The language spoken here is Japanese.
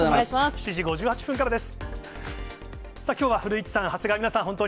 ７時５８分からです。